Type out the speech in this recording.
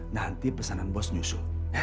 nanti pesanan bos nyusu